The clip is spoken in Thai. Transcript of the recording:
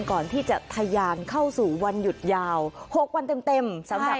ก่อนที่จะทะยานเข้าสู่วันหยุดยาว๖วันเต็มเต็มสำหรับ